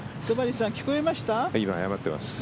今、謝っています。